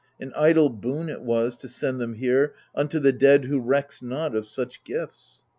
An idle boon it was, to send them here Unto the dead who recks not of such gifts.